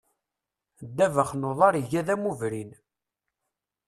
Ddabex n uḍar iga d amubrin.